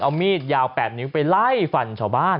เอามีดยาว๘นิ้วไปไล่ฟันชาวบ้าน